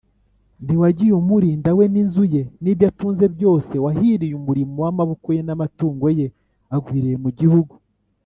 ntiwagiye umurinda we n’inzu ye n’ibyo atunze byose’ wahiriye umurimo w’amaboko ye, n’amatungo ye agwiriye mu gihugu